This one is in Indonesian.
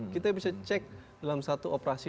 kita bisa cek dalam satu operasi